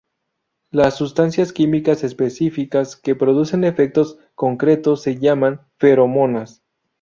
Las sustancias químicas específicas que producen efectos concretos se llaman feromonas.